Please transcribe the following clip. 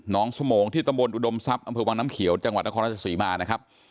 สมงที่ตำบลอุดมทรัพย์อำเภอวังน้ำเขียวจังหวัดนครราชศรีมานะครับ